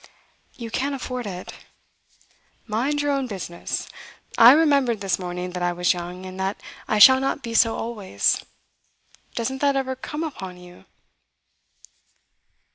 'You can't afford it.' 'Mind your own business. I remembered this morning that I was young, and that I shall not be so always. Doesn't that ever come upon you?